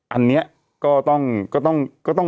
อันนี้ก็ต้อง